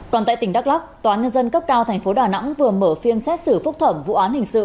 còn tại tỉnh đắk lắc tòa nhân dân cấp cao tp đà nẵng vừa mở phiên xét xử phúc thẩm vụ án hình sự